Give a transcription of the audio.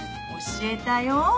教えたよ。